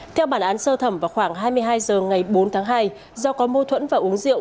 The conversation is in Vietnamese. theo bản án sơ thẩm vào khoảng hai mươi hai h ngày bốn tháng hai do có mâu thuẫn và uống rượu